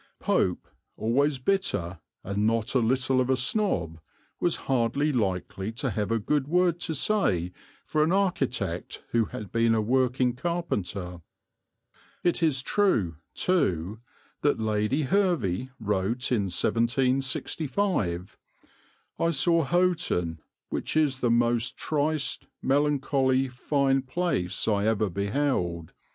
Pope, always bitter and not a little of a snob, was hardly likely to have a good word to say for an architect who had been a working carpenter. It is true, too, that Lady Hervey wrote in 1765: "I saw Houghton, which is the most triste, melancholy, fine place I ever beheld.